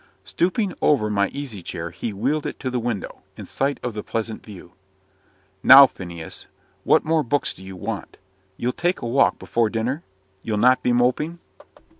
Stooping over my easy chair, he wheeled it to the window, in sight of the pleasant view. "Now, Phineas, what more books do you want? You'll take a walk before dinner? You'll not be moping?"